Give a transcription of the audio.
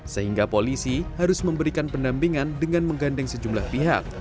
sehingga polisi harus memberikan pendampingan dengan menggandeng sejumlah pihak